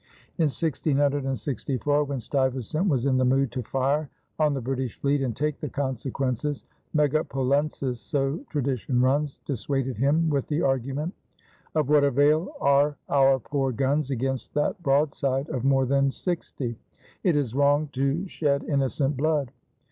In 1664 when Stuyvesant was in the mood to fire on the British fleet and take the consequences, Megapolensis, so tradition runs, dissuaded him with the argument: "Of what avail are our poor guns against that broadside of more than sixty? It is wrong to shed innocent blood."